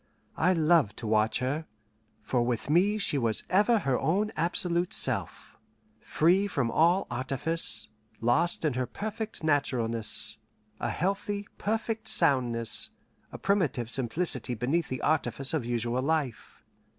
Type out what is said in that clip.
I loved to watch her, for with me she was ever her own absolute self, free from all artifice, lost in her perfect naturalness: a healthy, perfect soundness, a primitive simplicity beneath the artifice of usual life.